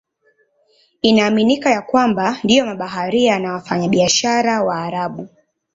Inaaminika ya kwamba ndio mabaharia na wafanyabiashara Waarabu.